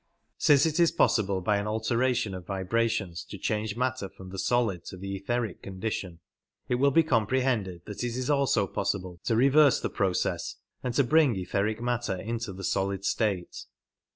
Since it is possible by an alteration of vibrations to change matter from the solid to the etheric condition, it will be com prehended that it is also possible to reverse the process and to bring etheric matter into the solid state.